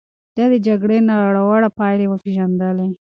ده د جګړې ناوړه پايلې پېژندلې.